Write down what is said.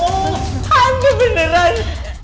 oh hantu beneran